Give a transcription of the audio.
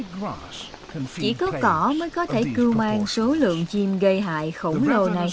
chỉ có cỏ mới có thể cưu mang số lượng chim gây hại khổng lồ này